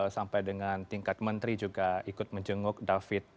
sampai dengan tingkat menteri juga ikut menjenguk david